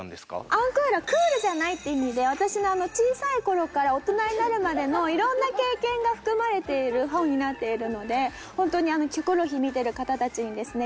アンクールはクールじゃないって意味で私の小さい頃から大人になるまでの色んな経験が含まれている本になっているのでホントに『キョコロヒー』見てる方たちにですね